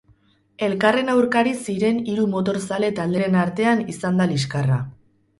Elkarren aurkari ziren hiru motorzale talderen artean izan da liskarra.